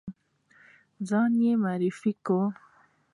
ځان یې معرفي کړ.